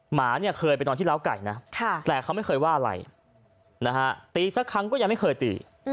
หมาเนี่ยเคยไปนอนที่ล้าวไก่นะแต่เขาไม่เคยว่าอะไรนะฮะตีสักครั้งก็ยังไม่เคยตี